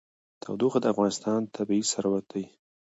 تودوخه د افغانستان طبعي ثروت دی.